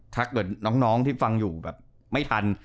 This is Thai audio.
ถ้าเกิดน้องที่ฟังอยู่แบบไม่ทัน